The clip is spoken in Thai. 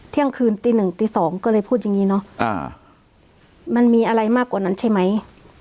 เที่ยงคืนตี๑ตี๒ก็เลยพูดอย่างนี้เนาะมันมีอะไรมากกว่านั้นใช่ไหม